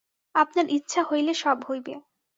আপনার ইচ্ছা হইলে সব হইবে।